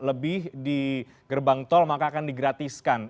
kalau di gerbang tol maka akan di gratiskan